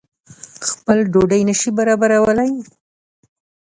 خپل ډوډۍ نه شي برابرولای.